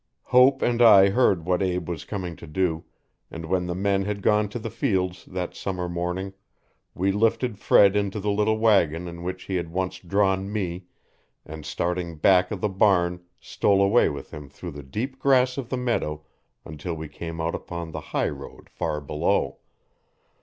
Hope and I heard what Abe was coming to do, and when the men had gone to the fields, that summer morning, we lifted Fred into the little wagon in which he had once drawn me and starting back of the barn stole away with him through the deep grass of the meadow until we came out upon the highroad far below.